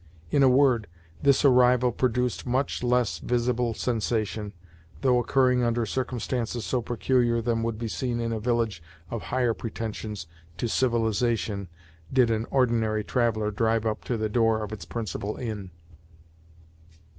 In a word, this arrival produced much less visible sensation, though occurring under circumstances so peculiar, than would be seen in a village of higher pretensions to civilization did an ordinary traveler drive up to the door of its principal inn.